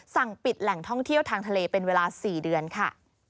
สั่งปิดแหล่งท่องเที่ยวทางทะเลเป็นเวลา๔เดือนค่ะ